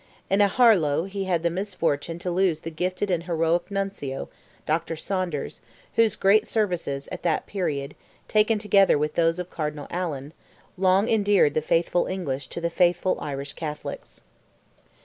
In Aharlow he had the misfortune to lose the gifted and heroic Nuncio, Dr. Saunders, whose great services, at that period, taken together with those of Cardinal Allen, long endeared the faithful English to the faithful Irish Catholics.